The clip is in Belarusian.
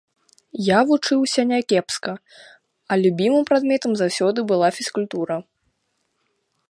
Я вучыўся някепска, а любімым прадметам заўсёды была фізкультура.